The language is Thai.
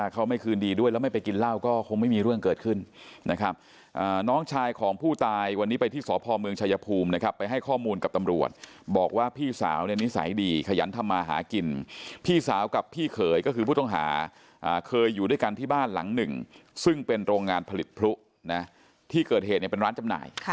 คุณผู้ชายของผู้ตายวันนี้ไปที่สพเมืองชายภูมินะครับไปให้ข้อมูลกับตำรวจบอกว่าพี่สาวเนี่ยนิสัยดีขยันทำมาหากินพี่สาวกับพี่เขยก็คือผู้ต้องหาเคยอยู่ด้วยกันที่บ้านหลังหนึ่งซึ่งเป็นโรงงานผลิตผู้นะที่เกิดเหตุเป็นร้านจำหน่ายค่ะ